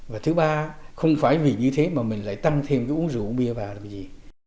và thứ ba không phải vì như thế mà mình lại tăm thêm cái uống rượu uống bia vào là vì gì